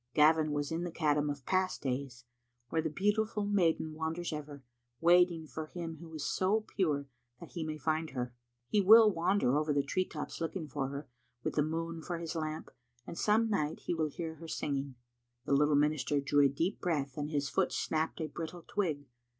Gavin was in the Caddam of past days, where the beautiful maiden wanders ever, waiting for him who is so pure that he may find her. He will wander over the tree tops looking for her, with the moon for his lamp, and some night he will hear her singing. The little minister drew a deep breath, and his foot snapped a brittle twig.